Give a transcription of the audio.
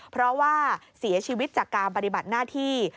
เพราะว่าเสียชีวิตจากการปฏิบัติหน้าที่